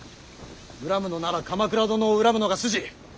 恨むのなら鎌倉殿を恨むのが筋。